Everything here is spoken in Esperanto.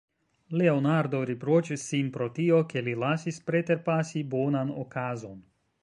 Leonardo riproĉis sin pro tio, ke li lasis preterpasi bonan okazon.